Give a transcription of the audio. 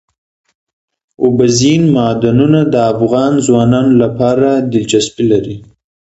اوبزین معدنونه د افغان ځوانانو لپاره دلچسپي لري.